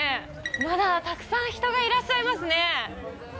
まだたくさん人がいらっしゃいますね。